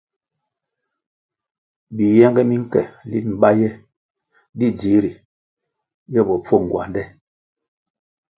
Biyenge mi nke lin bá ye di dzihri ye bopfuo nguande.